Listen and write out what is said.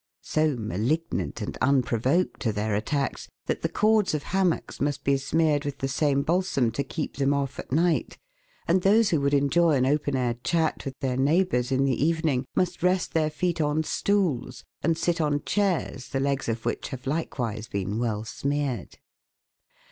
So malignant and unprovoked are their attacks that the cords of hammocks must be smeared with the same balsam to keep them off at night, and those who would enjoy an open air chat with their neighbours in the evening, must rest their feet on stools and sit on chairs the legs of which have likewise been well smeared.